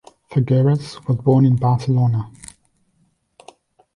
Figueras was born in Barcelona.